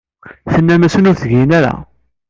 Tennam-asen ur ttgen aya.